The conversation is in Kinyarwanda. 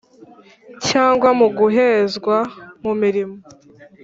cyangwa mu guhezwa mu mirimo